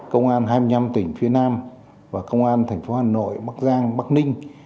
công an hai mươi năm tỉnh phía nam và công an tp hà nội bắc giang bắc ninh